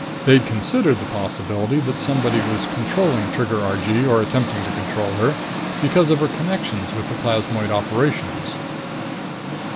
They'd considered the possibility that somebody was controlling Trigger Argee, or attempting to control her, because of her connections with the plasmoid operations.